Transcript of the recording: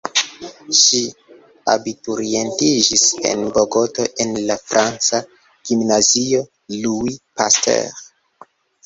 Ŝi abiturientiĝis en Bogoto en la franca gimnazio "Louis Pasteur".